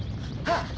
あっ！